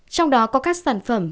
trong đó có các sản phẩm